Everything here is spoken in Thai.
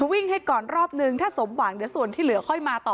วิ่งให้ก่อนรอบนึงถ้าสมหวังเดี๋ยวส่วนที่เหลือค่อยมาต่อ